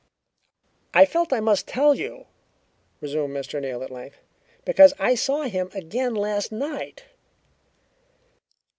"I felt I must tell you," resumed Mr. Neal at length, "because I saw him again last night."